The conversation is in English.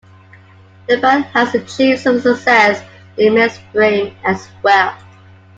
The band has achieved some success in the mainstream as well.